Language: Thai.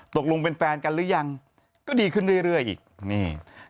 ตกลงเป็นแฟนกันหรือยังก็ดีขึ้นเรื่อยอีกนี่